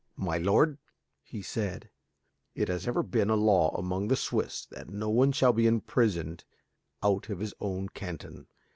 "My lord," he said, "it has ever been a law among the Swiss that no one shall be imprisoned out of his own canton.